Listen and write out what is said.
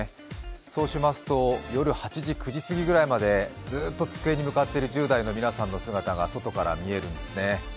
そうしますと夜８時、９時すぎまでずーっと机に向かっている１０代の皆さんの姿が外から見えるんですよね。